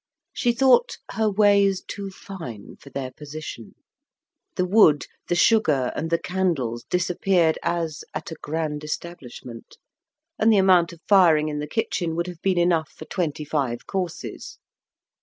She thought "her ways too fine for their position"; the wood, the sugar, and the candles disappeared as "at a grand establishment," and the amount of firing in the kitchen would have been enough for twenty five courses.